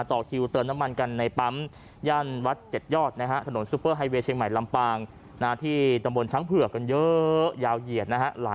ธนูกเที่ยวเตือนน้ำมันอยู่ในวัดเจ็ดยอดนะฮะ